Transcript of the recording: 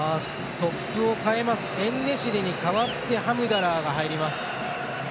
トップを代えますエンネシリに代わってハムダラーが入ります。